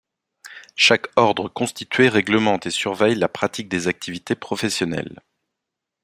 Chaque ordre constitué règlemente et surveille la pratique des activités professionnelles.